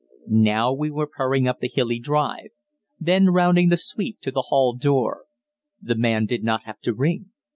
Now we were purring up the hilly drive; then rounding the sweep to the hall door. The man did not have to ring.